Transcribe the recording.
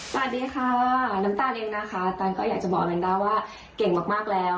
สวัสดีค่ะน้ำตาลเองนะคะตานก็อยากจะบอกแมนด้าว่าเก่งมากแล้ว